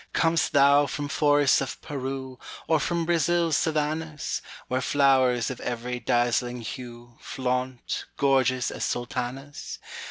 Com'st thou from forests of Peru, Or from Brazil's savannahs, Where flowers of every dazzling hueFlaunt, gorgeous as Sultanas?